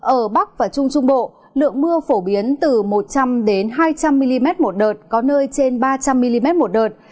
ở bắc và trung trung bộ lượng mưa phổ biến từ một trăm linh hai trăm linh mm một đợt có nơi trên ba trăm linh mm một đợt